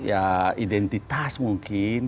ya identitas mungkin